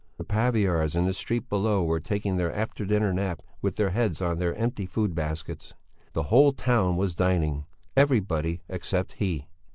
The paviours in the street below were taking their after dinner nap with their heads on their empty food baskets. The whole town was dining; everybody, except he.